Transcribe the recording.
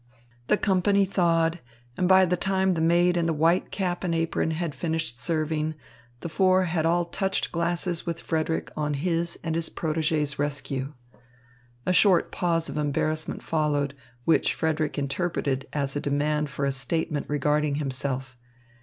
The company thawed; and by the time the maid in white cap and apron had finished serving, the four had all touched glasses with Frederick on his and his protégée's rescue. A short pause of embarrassment followed, which Frederick interpreted as a demand for a statement regarding himself.